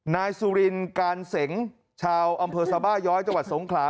นายสุรินการเสงชาวอำเภอสบาย้อยจังหวัดสงขลา